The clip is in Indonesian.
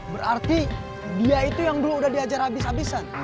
berarti dia itu yang dulu udah diajar habis habisan